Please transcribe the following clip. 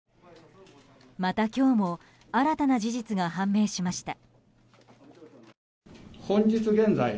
また今日も新たな事実が判明しました。